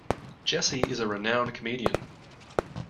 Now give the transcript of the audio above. Jessie is a renowned comedian.